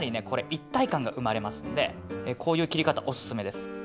これ一体感が生まれますんでこういう切り方おすすめです。